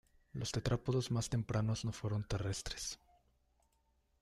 Los tetrápodos más tempranos no fueron terrestres.